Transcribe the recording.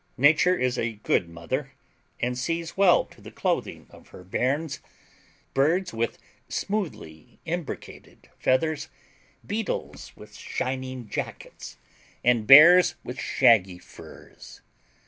Nature is a good mother, and sees well to the clothing of her many bairns—birds with smoothly imbricated feathers, beetles with shining jackets, and bears with shaggy furs.